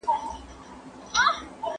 هر تایید شوی ږغ پښتو ته یو برکت دی.